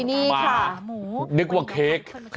นี่ค่ะหนูนึกว่าเค้ก